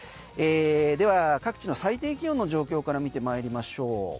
では各地の最低気温の状況から見てまいりましょう。